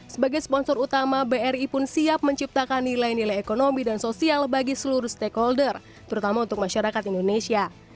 sebagai sponsor utama bri pun siap menciptakan nilai nilai ekonomi dan sosial bagi seluruh stakeholder terutama untuk masyarakat indonesia